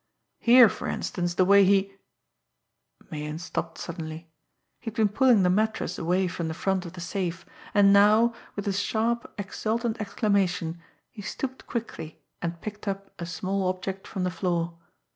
Here, for instance, the way he " Meighan stopped suddenly. He had been pulling the mattress away from the front of the safe, and now, with a sharp, exultant exclamation, he stooped quickly and picked up a small object from the floor.